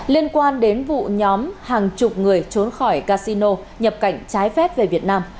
liên quan đến vụ nhóm hàng chục người trốn khỏi casino nhập cảnh trái phép về việt nam